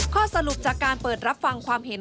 ข้อสรุปจากการเปิดรับฟังความเห็น